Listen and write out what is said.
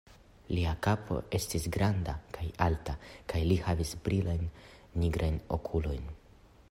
Lia kapo estis granda kaj alta, kaj li havis brilajn nigrajn okulojn.